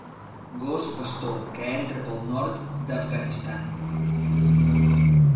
Gos pastor que entra pel nord d'Afganistan.